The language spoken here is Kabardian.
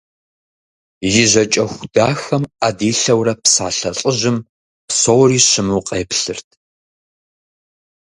И жьакӏэху дахэм ӏэ дилъэурэ псалъэ лӏыжьым псори щыму къеплъырт.